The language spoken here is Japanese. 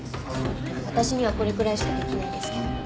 私にはこれくらいしかできないですけど。